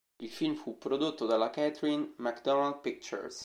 Il film fu prodotto dalla Katherine MacDonald Pictures.